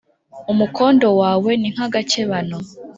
Umukondo wawe ni nk’agakebano